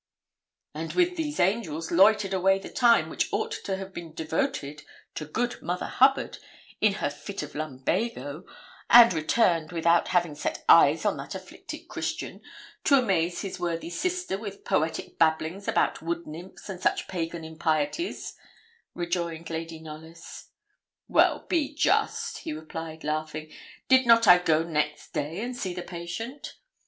'And with these angels loitered away the time which ought to have been devoted to good Mother Hubbard, in her fit of lumbago, and returned without having set eyes on that afflicted Christian, to amaze his worthy sister with poetic babblings about wood nymphs and such pagan impieties,' rejoined Lady Knollys. 'Well, be just,' he replied, laughing; 'did not I go next day and see the patient?'